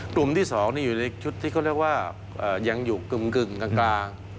กลุ่มที่๒นี่อยู่ในชุดที่เขาเรียกว่ายังอยู่กึ่งกลาง